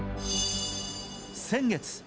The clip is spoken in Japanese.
先月。